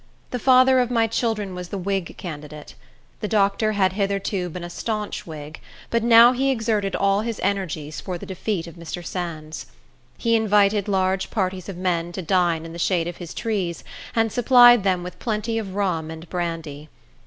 The father of my children was the Whig candidate. The doctor had hitherto been a stanch Whig; but now he exerted all his energies for the defeat of Mr. Sands. He invited large parties of men to dine in the shade of his trees, and supplied them with plenty of rum and brandy.